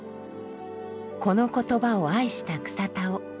この言葉を愛した草田男。